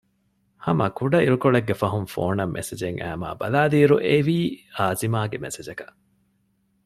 ހަމަ ކުޑައިރުކޮޅެއްގެ ފަހުން ފޯނަށް މެސެޖެއް އައިމާ ބަލައިލިއިރު އެވީ އާޒިމާގެ މެސެޖަކަށް